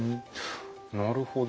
なるほど。